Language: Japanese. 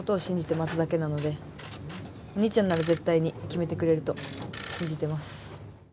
お兄ちゃんなら絶対に決めてくれると信じてます。